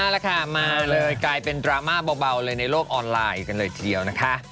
เอาละค่ะมาเลยกลายเป็นดราม่าเบาเลยในโลกออนไลน์กันเลยทีเดียวนะคะ